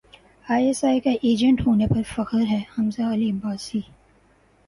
I S I کا agent ہونے پر فخر ہے حمزہ علی عباسی